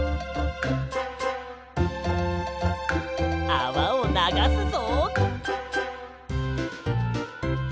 あわをながすぞ。